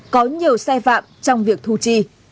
có nhiều xe phạm trong việc thu chi